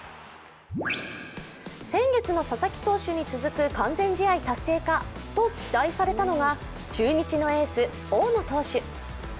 先月の佐々木投手に続く完全試合達成かと期待されたのは中日のエース・大野投手。